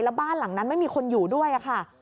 แล้วบ้านหลังนั้นไม่มีคนอยู่ด้วยค่ะ